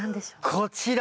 こちら。